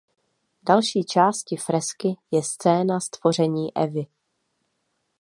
Další částí fresky je scéna "Stvoření Evy".